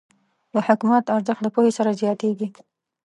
د حکمت ارزښت د پوهې سره زیاتېږي.